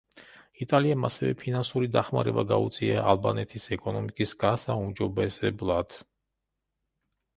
იტალიამ ასევე ფინანსური დახმარება გაუწია ალბანეთის ეკონომიკის გასაუმჯობესებლად.